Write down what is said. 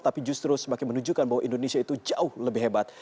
tapi justru semakin menunjukkan bahwa indonesia itu jauh lebih hebat